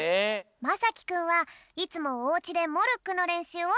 まさきくんはいつもおうちでモルックのれんしゅうをするんだって。